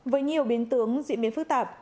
với nhiều biến tướng diễn biến phức tạp